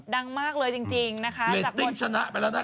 ดังมากเลยจริงนะคะเรตติ้งชนะไปแล้วนะคะ